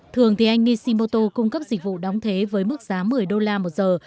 thường thì anh nishimoto cung cấp dịch vụ đóng thế với mức giá một mươi đô la một giờ